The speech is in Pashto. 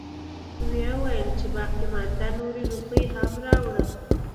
وويلې چې باقيمانده نورې روپۍ هم راوړه.